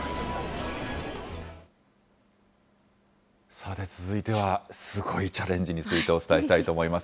さて、続いてはすごいチャレンジについてお伝えしたいと思います。